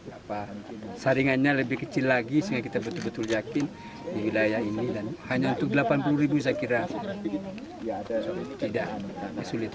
apalagi nanti ada yang dataran mediumnya itu masih yang di atas delapan ratus